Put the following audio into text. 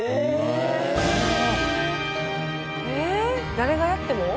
誰がやっても？